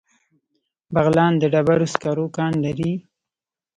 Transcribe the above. بغلان د ډبرو سکرو کان لري